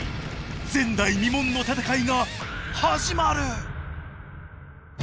前代未聞の戦いが始まる！